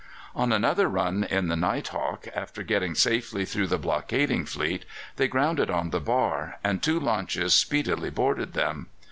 On another run in the Night Hawk, after getting safely through the blockading fleet, they grounded on the bar, and two launches speedily boarded them.